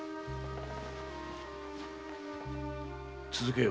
続けよ。